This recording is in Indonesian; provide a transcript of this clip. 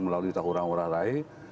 melalui tahurang ngurah rai